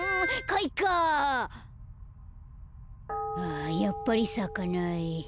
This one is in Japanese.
あやっぱりさかない。